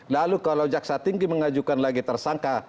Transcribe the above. lalu kalau jaksa tinggi mengajukan lagi tersangka